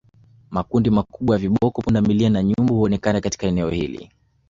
Makundi makubwa ya viboko pundamilia na nyumbu huonekana katika eneo hili